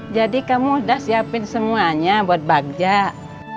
jadi kamu udah siapin semuanya buat bajak